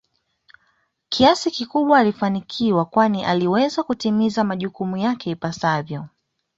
kiasi kikubwa alifanikiwa kwani aliweza kutimiza majukumu yake ipasavyo